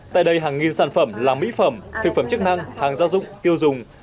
tại đây hàng nghìn sản phẩm làm mỹ phẩm thực phẩm chức năng hàng giao dụng tiêu dùng